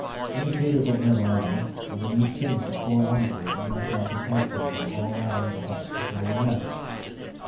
"In the cubicle near the larder were the loose tins that poor Armytage and myself had collected from all round the hut before we left.